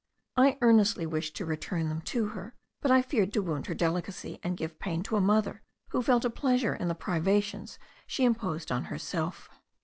I earnestly wished to return them to her; but I feared to wound her delicacy, and give pain to a mother, who felt a pleasure in the privations she imposed on herself.